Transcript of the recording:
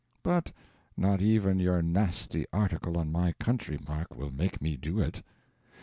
[But not even your nasty article on my country, Mark, will make me do it.